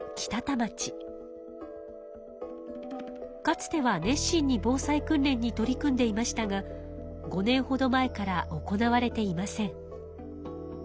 かつては熱心に防災訓練に取り組んでいましたが５年ほど前から行われていません。